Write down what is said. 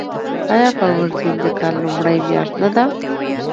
آیا فروردین د کال لومړۍ میاشت نه ده؟